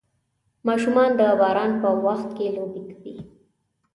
ماشومان د باران په وخت کې لوبې کوي.